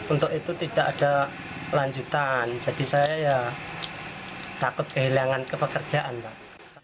untuk itu tidak ada lanjutan jadi saya ya takut kehilangan kepekerjaan pak